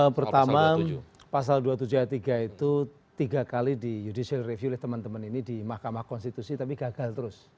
pertama pasal dua puluh tujuh ayat tiga itu tiga kali di judicial review oleh teman teman ini di mahkamah konstitusi tapi gagal terus